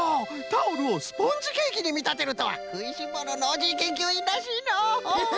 タオルをスポンジケーキにみたてるとはくいしんぼうのノージーけんきゅういんらしいのう。